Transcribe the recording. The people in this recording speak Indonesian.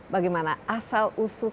bagaimana asal usul kenapa bisa jatuh cina